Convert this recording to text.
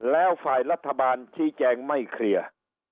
แล้วฝ่ายรัฐบาลชี้แจงไม่เคลียร์